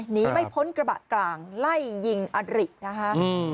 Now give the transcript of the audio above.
หนีไม่พ้นกระบะกลางไล่ยิงอรินะคะ